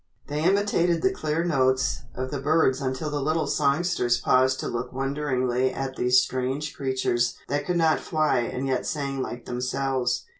They imitated the clear notes of the birds until the little songsters paused to look wonderingly at these strange creatures that could not fly and yet sang like themselves.